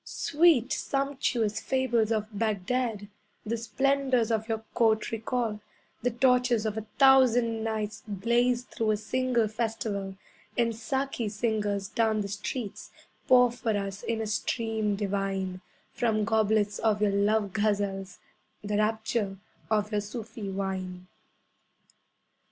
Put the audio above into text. Sweet, sumptuous fables of Baghdad The splendours of your court recall, The torches of a Thousand Nights Blaze through a single festival; And Saki singers down the streets, Pour for us, in a stream divine, From goblets of your love ghazals The rapture of your Sufi wine.